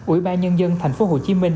ủy ban nhân dân thành phố hồ chí minh